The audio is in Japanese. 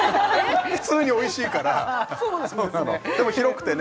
普通においしいからそうなのでも広くてね